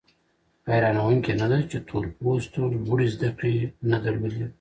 حیرانوونکي نه ده چې تور پوستو لوړې زده کړې نه درلودې.